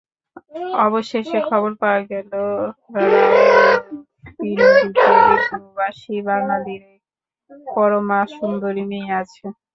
অবশেষে খবর পাওয়া গেল, রাওলপিণ্ডিতে এক প্রবাসী বাঙালির এক পরমাসুন্দরী মেয়ে আছে।